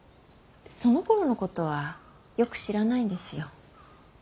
そのころのことはよく知らないんですよ。